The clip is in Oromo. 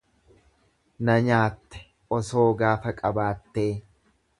Nanyaatte osoo gaafa qabaattee.